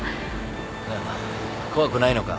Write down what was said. なあ怖くないのか？